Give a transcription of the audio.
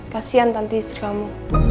kasian tanti istri kamu